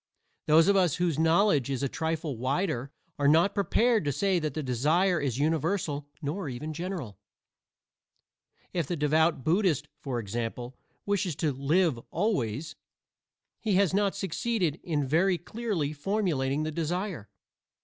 Those of us whose knowledge is a trifle wider are not prepared to say that the desire is universal nor even general. If the devout Buddhist, for example, wishes to "live always," he has not succeeded in very clearly formulating the desire.